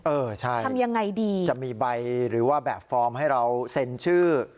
เออใช่จะมีใบหรือแบบฟอร์มให้เราเซ็นชื่อ